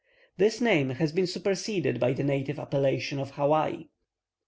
This name has been superseded by the native appellation of Hawai.